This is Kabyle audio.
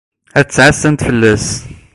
Ad ttɛassant fell-as.